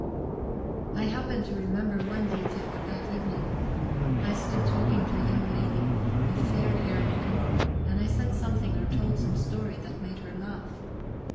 I happen to remember one detail of that evening. I stood talking to a young lady, a fair haired girl; and I said something or told some story that made her laugh.